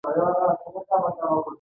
هر چېرې چې تله، وری ورپسې و.